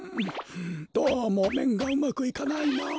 どうもめんがうまくいかないなあ。